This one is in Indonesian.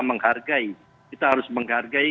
menghargai kita harus menghargai